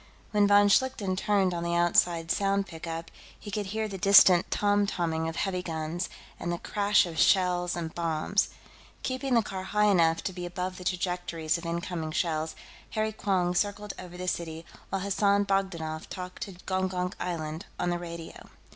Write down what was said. When von Schlichten turned on the outside sound pickup, he could hear the distant tom tomming of heavy guns, and the crash of shells and bombs. Keeping the car high enough to be above the trajectories of incoming shells, Harry Quong circled over the city while Hassan Bogdanoff talked to Gongonk Island on the radio.